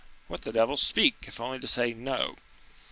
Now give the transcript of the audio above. what the devil! speak, if only to say 'No.